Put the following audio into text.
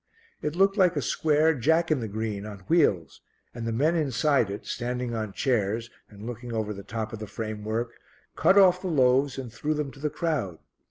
It looked like a square Jack in the Green on wheels and the men inside it, standing on chairs and looking over the top of the framework, cut off the loaves and threw them to the crowd.